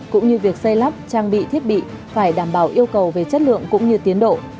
cũng như việc xây lắp trang bị thiết bị phải đảm bảo yêu cầu về chất lượng cũng như tiến độ